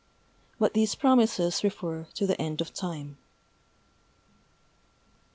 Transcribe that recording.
But these promises refer to "the end of time."